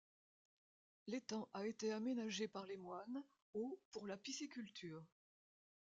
L'étang a été aménagé par les moines au pour la pisciculture.